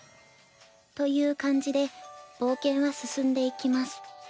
という感じで冒険は進んでいきます。